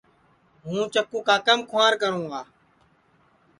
ہوں چکُو کاکام کُھنٚار کروں گا